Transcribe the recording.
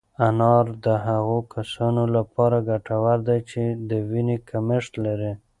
انار د هغو کسانو لپاره ګټور دی چې د وینې کمښت لري.